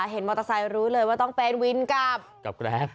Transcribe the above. เห็นมอเตอร์ไซค์รู้เลยว่าต้องเป็นวินกับแกรฟ